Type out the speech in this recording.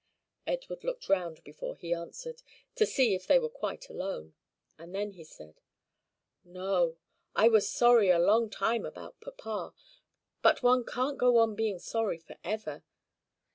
Edward looked round before he answered, to see if they were quite alone, and then said: "No; I was sorry a long time about papa, but one can't go on being sorry forever.